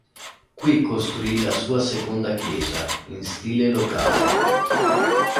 Qui costruì la sua seconda chiesa, in stile locale.